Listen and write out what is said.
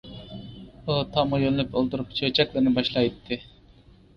ئۇ تامغا يۆلىنىپ ئولتۇرۇپ چۆچەكلىرىنى باشلايتتى.